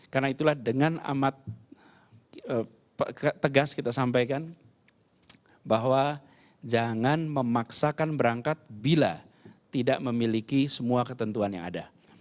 karena itulah dengan amat tegas kita sampaikan bahwa jangan memaksakan berangkat bila tidak memiliki semua ketentuan yang ada